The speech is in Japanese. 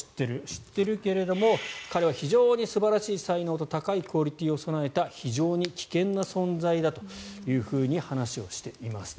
知っているけど彼は非常に素晴らしい才能と高いクオリティーを備えた非常に危険な存在だと話をしています。